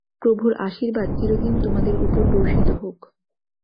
প্রভুর আশীর্বাদ চিরদিন তোমাদের উপর বর্ষিত হোক।